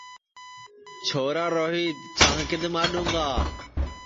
چھورا روہِیت چانٚھ کِدؔ ماڈُؔوں گا